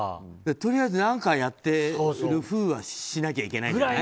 とりあえず何かやってるふうにはしなきゃいけないと。